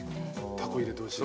タコ入れてほしい。